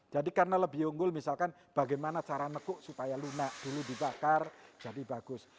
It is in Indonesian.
jadi karena lebih unggul misalkan bagaimana cara nekuk supaya lunak dulu dibakar jadi bagus